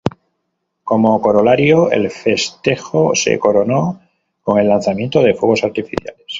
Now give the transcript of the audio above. Como corolario, el festejo se coronó con el lanzamiento de fuegos artificiales.